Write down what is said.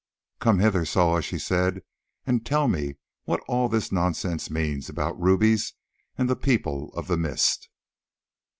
"Come hither, Soa," she said, "and tell me what all this nonsense means about rubies and the People of the Mist."